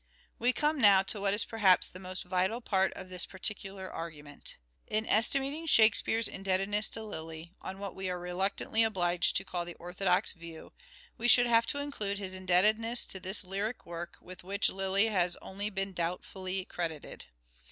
We come now to what is perhaps the most vital part of this particular argument. In estimating " Shakespeare's " indebtedness to Lyly, on what we are reluctantly obliged to call the orthodox view, we should have to include his indebtedness to this lyric work with which Lyly has been only doubtfully credited.